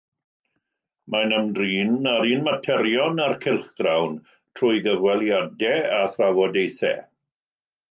Mae'n ymdrin â'r un materion â'r cylchgrawn, trwy gyfweliadau a thrafodaethau.